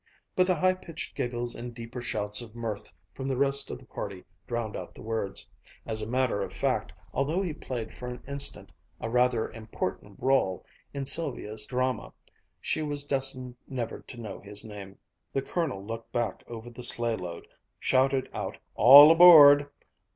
But the high pitched giggles and deeper shouts of mirth from the rest of the party drowned out the words. As a matter of fact, although he played for an instant a rather important rôle in Sylvia's drama, she was destined never to know his name. The Colonel looked back over the sleighload, shouted out "All aboard!"